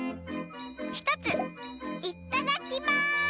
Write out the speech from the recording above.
ひとついっただきます！